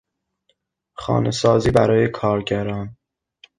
خانه سازی برای کارگران